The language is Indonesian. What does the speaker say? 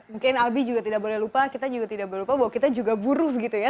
mungkin albi juga tidak boleh lupa kita juga tidak boleh lupa bahwa kita juga buruh gitu ya